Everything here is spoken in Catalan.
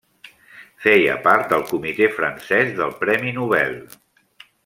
Feia part del comitè francès del Premi Nobel.